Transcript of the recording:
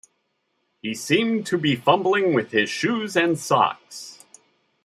He seemed to be fumbling with his shoes and socks.